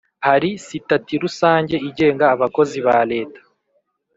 Hari sitati rusange igenga abakozi ba Leta.